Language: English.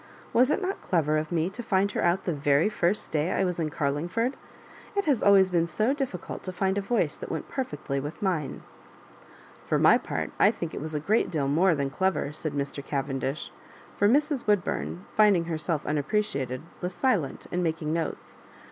Was it not clever of me to find her out the very first day I was in Car lingford ? It has always been so difficult to find a voice that went perfectly with mina" " For my part, I think it was a great deal more than clever," said Mr. Cavendish ; for Mrs. Digitized by Google MISS MARJORIBANKa 35 Woodbum, finding herself unappreciated, was silent and making notes.